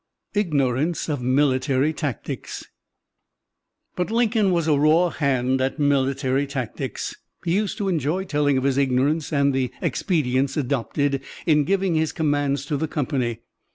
IGNORANCE OF MILITARY TACTICS But Lincoln was a "raw hand" at military tactics. He used to enjoy telling of his ignorance and the expedients adopted in giving his commands to the company.